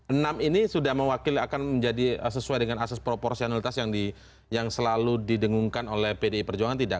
enam ini sudah mewakili akan menjadi sesuai dengan asas proporsionalitas yang selalu didengungkan oleh pdi perjuangan tidak